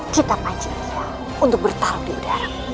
kita pancing dia untuk bertarung di udara